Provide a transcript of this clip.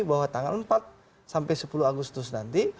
bahwa tanggal empat sampai sepuluh agustus nanti